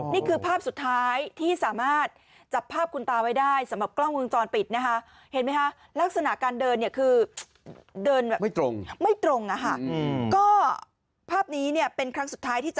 นี่คือภาพสุดท้ายที่สามารถจับภาพคุณตาไว้ได้